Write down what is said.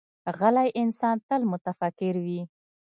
غلی انسان، تل متفکر وي.